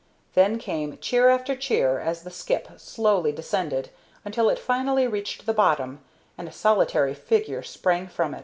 Then came cheer after cheer as the skip slowly descended until it finally reached the bottom, and a solitary figure sprang from it.